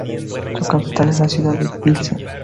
Su capital es la ciudad de Pilsen.